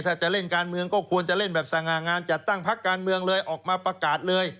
ถ้าจะเล่นการเมืองก็ควรจะเล่นแบบสง่างานจัดตั้งพักการเมืองเลยออกมาประกาศเลย